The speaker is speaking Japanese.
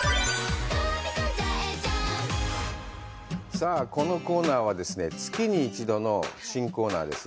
さあこのコーナーは、月に１度の新コーナーです。